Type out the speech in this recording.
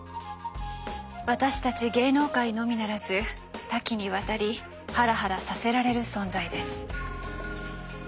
私たち芸能界のみならず多岐にわたりハラハラさせられる存在です。